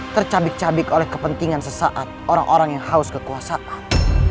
tercabik cabik oleh kepentingan sesaat orang orang yang haus kekuasaan